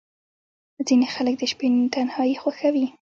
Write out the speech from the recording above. • ځینې خلک د شپې تنهايي خوښوي.